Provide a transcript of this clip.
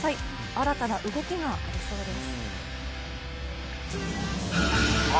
新たな動きがありそうです。